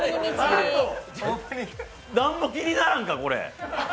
なんも気にならんか、これ。